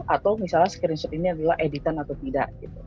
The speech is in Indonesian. atau misalnya screenshot ini adalah editan atau tidak